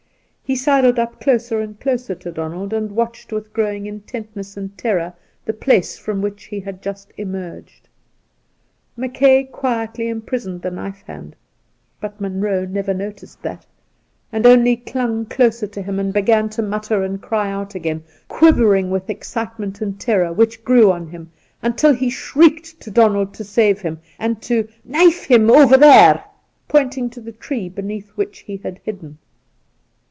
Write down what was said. He sidled up closer and closer to Donald, and watched with growing intentness and terror the place from which he had just emerged. Mackay quietly imprisoned the knife hand, but Munroe never noticed that. Soltke 71 and only clung closer to him, and began to mutter and cry out again, quivering with excitement and terror, which grew on him, until he shrieked to Donald to save him, and to ' knife him over there '— ^pointing to the tree beneath which he had hidden.